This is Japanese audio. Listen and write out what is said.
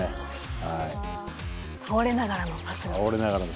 倒れながらのパスも。